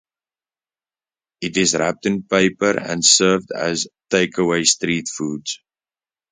It is wrapped in paper and served as a take away street food.